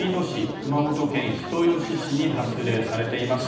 熊本県人吉市に発令されています。